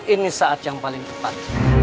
ini saat yang paling tepat